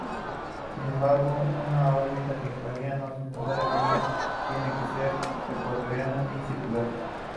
Sin embargo, una órbita síncrona no necesariamente tiene que ser ecuatorial ni circular.